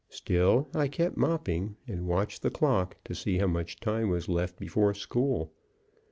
Still I kept mopping, and watched the clock to see how much time was left before school.